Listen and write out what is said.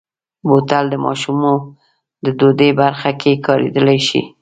بوتل د ماشومو د ودې برخه کې کارېدلی شي.